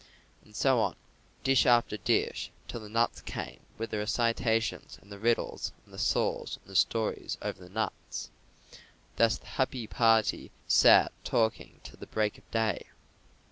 And so on, dish after dish, till the nuts came with the recitations and the riddles and the saws and the stories over the nuts. Thus the happy party sat talking till the break of day.